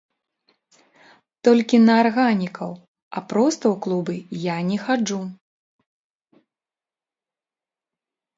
Толькі на арганікаў, а проста ў клубы я не хаджу.